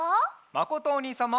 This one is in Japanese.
まことおにいさんも。